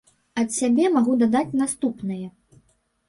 Ад сябе магу дадаць наступнае.